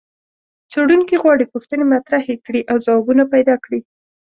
څېړونکي غواړي پوښتنې مطرحې کړي او ځوابونه پیدا کړي.